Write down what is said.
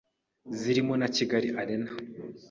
zirimo na Kigali Arena.